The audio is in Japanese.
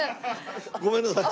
ごめんなさい。